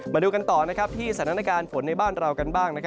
มาดูกันต่อที่สถานการณ์ฝนในบ้านเรากันบ้าง